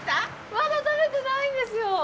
まだ食べてないんですよ。